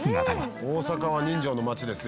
「大阪は人情の町ですよ」